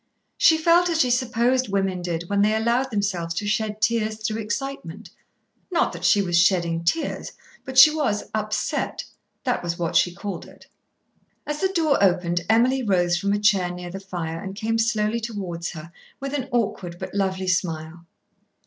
She felt as she supposed women did when they allowed themselves to shed tears through excitement; not that she was shedding tears, but she was "upset," that was what she called it. As the door opened Emily rose from a chair near the fire and came slowly towards her, with an awkward but lovely smile.